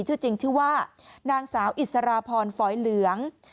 ชื่อจริงชื่อว่านางสาวอิสราพรฝอยเหลือง